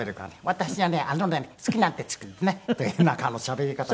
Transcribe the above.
「私はねあのね好きなんですけどね」。っていうようなしゃべり方が。